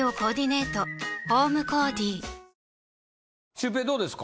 シュウペイどうですか？